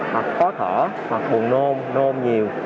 hoặc khó thở hoặc buồn nôn nôn nhiều